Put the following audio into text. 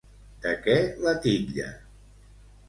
De què la titlla?